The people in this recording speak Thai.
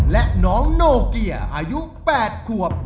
และน้องโนเกียอายุ๘ขวบ